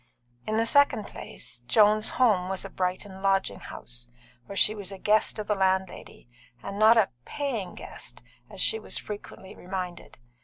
In the second place, Joan's home was a Brighton lodging house, where she was a guest of the landlady, and not a "paying" guest, as she was frequently reminded.